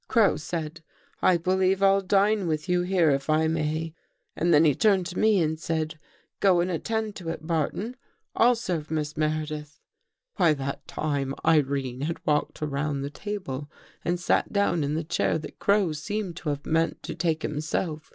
" Crow said: ' I believe I'll dine with you here, if I may.' And then he turned to me and said: ' Go and attend to it, Barton. I'll serve Miss Meredith.' I " By that time Irene had walked around the table I and sat down in the chair that Crow seemed to have meant to take himself.